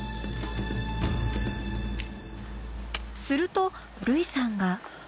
すると類さんが。